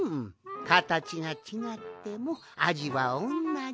かたちがちがってもあじはおんなじ。